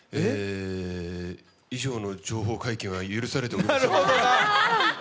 以上の情報解禁は許されておりません。